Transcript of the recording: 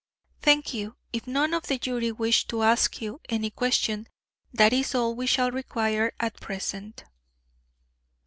"Thank you; if none of the jury wish to ask you any question, that is all we shall require at present."